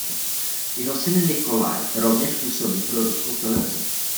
Jeho syn Nikolaj rovněž působí pro ruskou televizi.